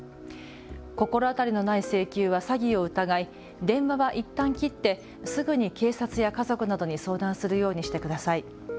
心当たりのない請求は詐欺を疑い電話はいったん切ってすぐに警察や家族などに相談するようにしてください。